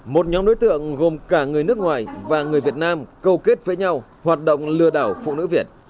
một nhóm đối tượng gồm cả người nước ngoài và người việt nam câu kết với nhau hoạt động lừa đảo phụ nữ việt